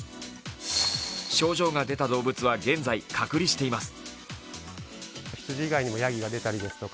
症状が出た動物は現在隔離しています。